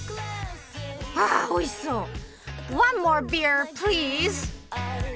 あおいしそう！